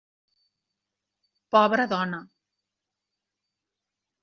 Pobra dona!